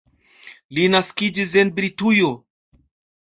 Li naskiĝis en Britujo.